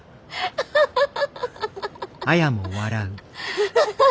アハハハ。